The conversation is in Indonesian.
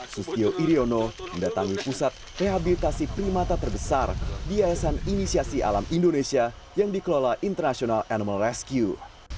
sustio iryono mendatangi pusat rehabilitasi primata terbesar di yayasan inisiasi alam indonesia yang dikelola international animal rescue